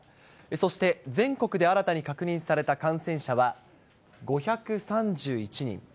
そして全国で新たに確認された感染者は、５３１人。